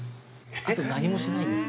あと何もしないです。